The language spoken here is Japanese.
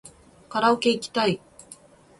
カラオケいきたい